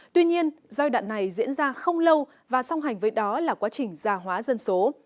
tuy nhiên giai đoạn này diễn ra không lâu và song hành với đó là quá trình già hóa dân số